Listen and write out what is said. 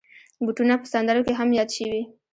بوټونه په سندرو کې هم یاد شوي.